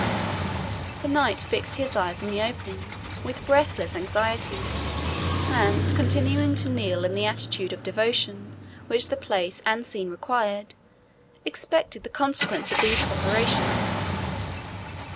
The knight fixed his eyes on the opening with breathless anxiety, and, continuing to kneel in the attitude of devotion which the place and scene required, expected the consequence of these preparations.